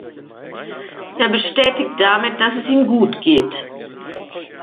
Er bestätigt damit, dass es ihm gut geht.